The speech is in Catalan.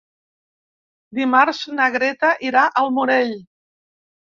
Dimarts na Greta irà al Morell.